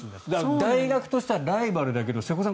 大学としてはライバルだけど瀬古さん